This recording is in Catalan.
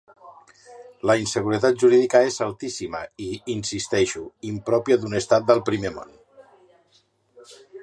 La inseguretat jurídica és altíssima i, insisteixo, impròpia d’un estat del primer món.